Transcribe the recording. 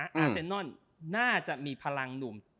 อาเซนนอนน่าจะมีพลังหนุ่ม